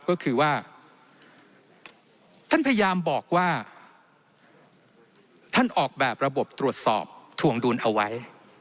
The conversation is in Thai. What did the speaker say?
ก็คือว่าท่านพยายามบอกว่าท่านออกแบบระบบตรวจสอบถวงดุลเอาไว้